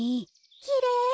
きれい！